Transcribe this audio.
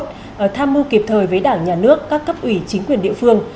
trong năm cốt tham mưu kịp thời với đảng nhà nước các cấp ủy chính quyền địa phương